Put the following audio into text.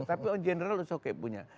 tapi on general soke punya